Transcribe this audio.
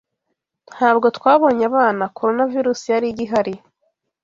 Ntabwo twabonye abana Coronavirus yari igihari.